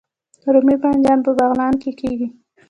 رومي بانجان په بغلان کې کیږي